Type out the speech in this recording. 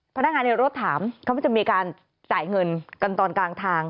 พนักงานในรถถามเขาว่าจะมีการจ่ายเงินกันตอนกลางทาง